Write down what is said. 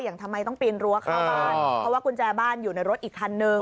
ทำไมต้องปีนรั้วเข้าบ้านเพราะว่ากุญแจบ้านอยู่ในรถอีกคันนึง